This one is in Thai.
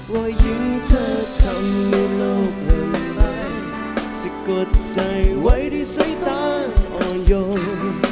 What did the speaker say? ว่ายิ่งเธอทำให้โลกเหมือนกันจะกดใจไว้ที่ใส่ตาอ่อนโยง